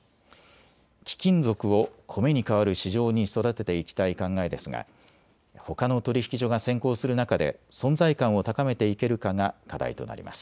貴金属をコメに代わる市場に育てていきたい考えですがほかの取引所が先行する中で存在感を高めていけるかが課題となります。